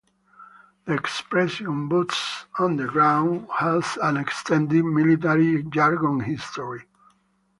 The expression "boots on the ground" has an extended military-jargon history.